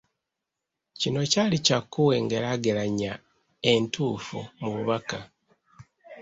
Kino kyali kyakuwa engeraageranya entuufu mu bubaka.